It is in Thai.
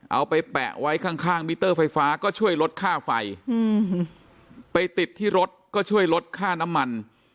เอาไปแปะไว้ข้างข้างมิเตอร์ไฟฟ้าก็ช่วยลดค่าไฟไปติดที่รถก็ช่วยลดค่าน้ำมัน